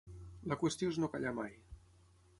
La qüestió és no callar mai.